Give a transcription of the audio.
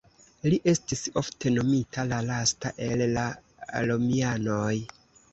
Li estis ofte nomita "la lasta el la Romianoj".